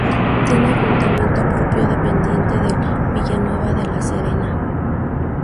Tiene ayuntamiento propio, dependiente del de Villanueva de la Serena.